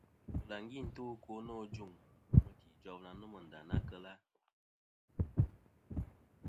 Bɨlàŋgi nto ɨkwo nô ajuŋ mɨti ijof na nomɨ nda na kel a.